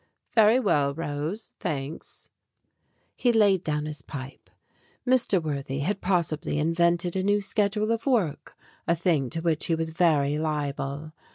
"Very well, Rose. Thanks." He laid down his pipe. Mr. Worthy had possibly invented a new schedule of work a thing to which he was very liable.